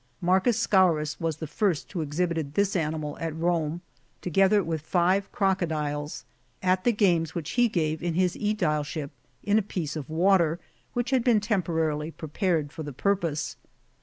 M. Scaurus was the first who exhibited this animal at Rome, together with five crocodiles, at the games which he gave in his sedileship, in a piece of water ^ which had been temporarily prepared for the purpose.